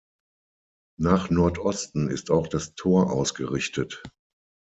Nach Nordosten ist auch das Tor ausgerichtet.